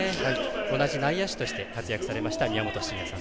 同じ内野手として活躍された宮本慎也さん。